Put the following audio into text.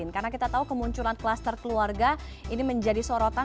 karena kita tahu kemunculan kluster keluarga ini menjadi sorotan